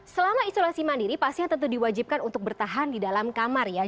selama isolasi mandiri pasien tentu diwajibkan untuk bertahan di dalam kamar ya